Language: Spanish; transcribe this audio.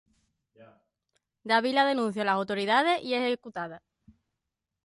David la denuncia a las autoridades y es ejecutada.